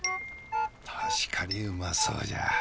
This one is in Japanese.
確かにうまそうじゃ。